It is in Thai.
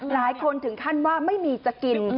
หลายคนถึงขั้นว่าไม่มีจะกิน